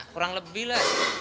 kurang lebih lah